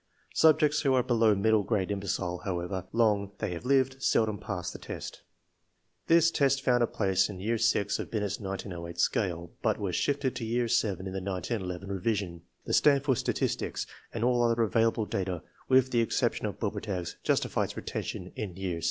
Subjects who are below middle grade imbecile, however long they have lived, seldom pass the test. This test found a place in year VI of Binet's 1908 scale, but was shifted to year VII in the 1911 revision. The Stan ford statistics, and all other available data, with the ex ception of Bobertag's, justify its retention in year VI.